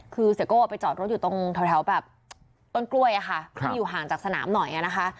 คือเสียโก้ไปจอดรถอยู่ตรงแถวแบบต้นกล้วยอะค่ะที่อยู่ห่างจากสนามหน่อยนะคะ